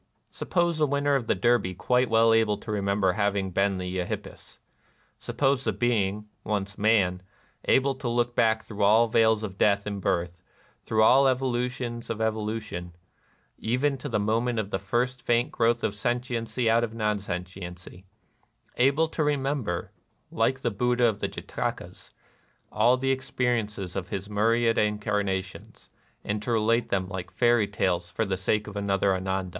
Suppose the winner of the Derby quite well able to remember having been the Eohippus? Suppose the being, once man, able to look back through all veils of death and birth, through all evolutions of evolution, even to the moment of the first faint growth of sentiency out of non sentiency ;— able to remember, like the Buddha of the Jatakas, aU the experiences of his myriad incarnations, and to relate them like fairy tales for the sake of another Ananda